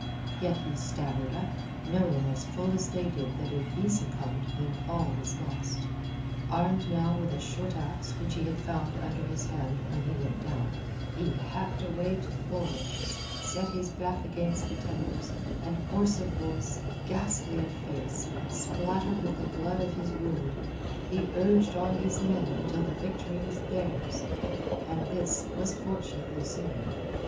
Yet he staggered up, knowing as full as did they that if he succumbed then all was lost. Armed now with a short axe which he had found under his hand when he went down, he hacked a way to the bulwarks, set his back against the timbers, and hoarse of voice, ghastly of face, spattered with the blood of his wound he urged on his men until the victory was theirs—and this was fortunately soon.